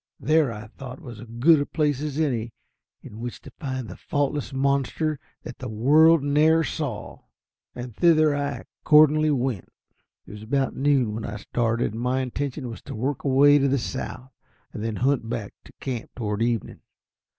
There, I thought, was as good a place as any in which to find the "faultless monster that the world ne'er saw," and thither I accordingly went. It was about noon when I started, and my intention was to work away to the south, and then hunt back to camp toward evening.